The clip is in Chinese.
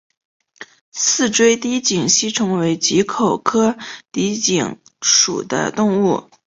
似锥低颈吸虫为棘口科低颈属的动物。